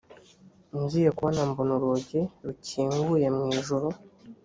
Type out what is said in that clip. ngiye kubona mbona urugi rukinguye mu ijuru